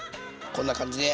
こんな感じで。